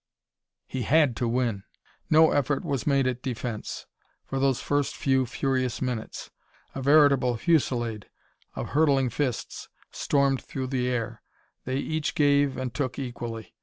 He had to win. No effort was made at defense, for those first few furious minutes. A veritable fusillade of hurtling fists stormed through the air. They each gave and took equally.